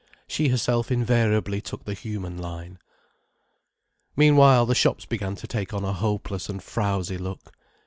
She herself invariably took the human line. Meanwhile the shops began to take on a hopeless and frowsy look.